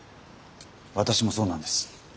私もそうなんです。